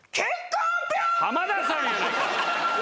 浜田さんやないか！